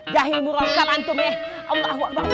jahil buraka antum ya